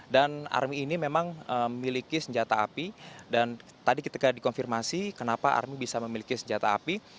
dan army ini memang memiliki senjata api dan tadi kita dikonfirmasi kenapa army bisa memiliki senjata api